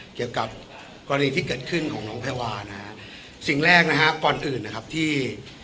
เกี่ยวกับกรณีที่เกิดขึ้นของน้องแพรวานะฮะสิ่งแรกนะฮะก่อนอื่นนะครับที่